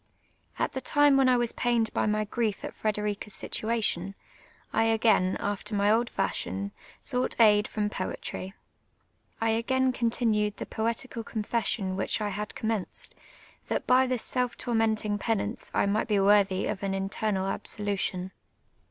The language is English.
At the time when I was pained by my j^rief at Frederica's situation, I a^ain, after my old fashion, sought aid from poetry. I a<:;ain continued the poetical confession which I had commenced, that by this self tormentin«; ])enance I mi;;ht be worthv of an internal absolution.